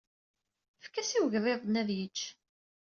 Efk-as i wegḍiḍ-nni ad yečč!